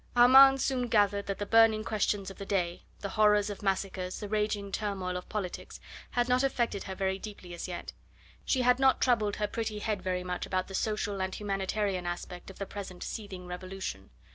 Armand soon gathered that the burning questions of the day, the horrors of massacres, the raging turmoil of politics, had not affected her very deeply as yet. She had not troubled her pretty head very much about the social and humanitarian aspect of the present seething revolution.